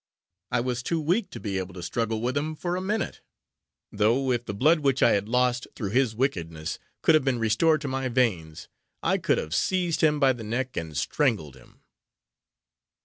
I was too weak to be able to struggle with him, for a minute; though if the blood which I had lost, through his wickedness, could have been restored to my veins, I could have seized him by the neck, and strangled him.